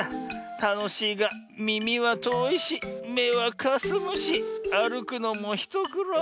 たのしいがみみはとおいしめはかすむしあるくのもひとくろう。